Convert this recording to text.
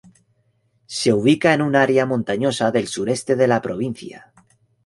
Se ubica en un área montañosa del sureste de la provincia.